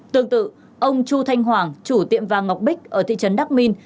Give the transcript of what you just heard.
tương tự ông chu thanh hoàng chủ tiệm vàng ngọc bích ở thị trấn đắc minh